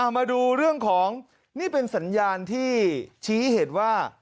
มาดูเรื่องของนี่เป็นสัญญาณที่ชี้เหตุว่า